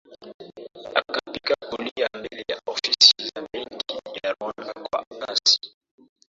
Akapika kulia mbele ya ofisi za benki ya Rwanda kwa kasi